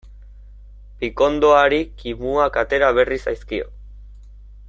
Pikondoari kimuak atera berri zaizkio.